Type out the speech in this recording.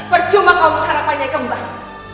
percuma kau mengharapkan nyai kembang